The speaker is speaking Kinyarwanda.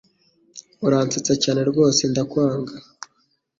Urasetsa cyane rwose ndakwanga